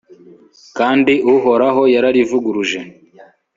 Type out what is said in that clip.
kandi uhoraho yararivuguruje